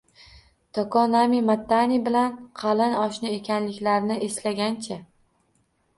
Tokonami Mattani bilan qalin oshna ekanliklarini eslagancha